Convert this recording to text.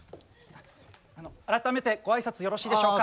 改めてご挨拶よろしいでしょうか。